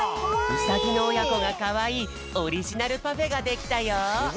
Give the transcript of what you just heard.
ウサギのおやこがかわいいオリジナルパフェができたよ！